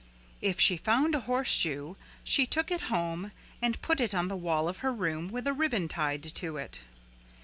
If she found a horseshoe she took it home and put it on the wall of her room with a ribbon tied to it.